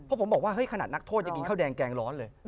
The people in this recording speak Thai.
เพราะผมบอกว่าเฮ้ยขนาดนักโทษจะกินข้าวแดงแกงร้อนเลย